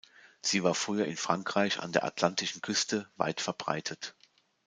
Sie war früher in Frankreich an der atlantischen Küste weit verbreitet.